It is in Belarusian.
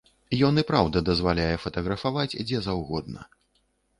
Ён і праўда дазваляе фатаграфаваць дзе заўгодна.